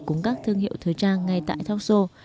cùng các thương hiệu